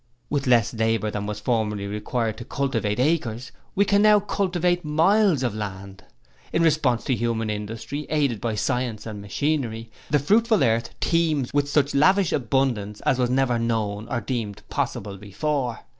With less labour than was formerly required to cultivate acres, we can now cultivate miles of land. In response to human industry, aided by science and machinery, the fruitful earth teems with such lavish abundance as was never known or deemed possible before.